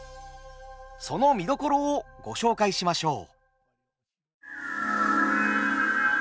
その見どころをご紹介しましょう。